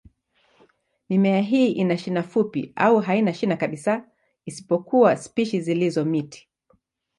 Mimea hii ina shina fupi au haina shina kabisa, isipokuwa spishi zilizo miti.